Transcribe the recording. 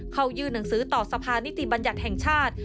ยื่นหนังสือต่อสภานิติบัญญัติแห่งชาติ